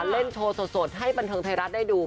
เล่นโชว์สดให้บันเทิงไทยรัฐได้ดู